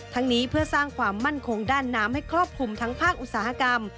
นี้เพื่อสร้างความมั่นคงด้านน้ำให้ครอบคลุมทั้งภาคอุตสาหกรรม